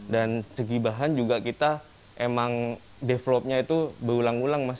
dan segi bahan juga kita emang developnya itu berulang ulang mas